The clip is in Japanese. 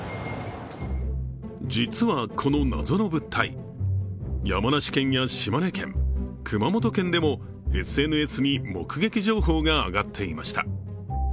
実はこの謎の物体、山梨県や島根県、熊本県でもＳＮＳに目撃情報が上がっていました。